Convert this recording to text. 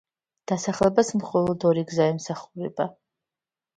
დასახლებას მხოლოდ ორი გზა ემსახურება.